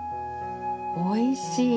おいしい。